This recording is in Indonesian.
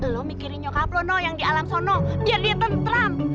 lo mikirin nyokaplono yang di alam sono biar dia tentram